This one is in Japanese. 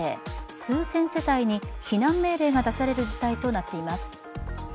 数千世帯に避難命令が出される事態となっています。